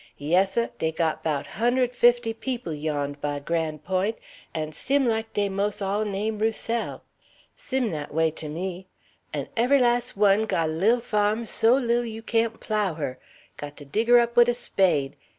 Yes, seh. Dey got 'bout hund'ed fifty peop' yond' by Gran' Point', and sim like dey mos' all name Roussel. Sim dat way to me. An' ev'y las' one got a lil fahm so lil you can't plow her; got dig her up wid a spade.